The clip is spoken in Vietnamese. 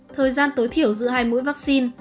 thời gian tối thiểu giữa hai mũi vaccine